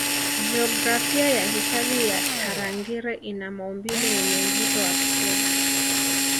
Jiografia ya hifadhi ya Tarangire ina maumbile yenye mvuto wa pekee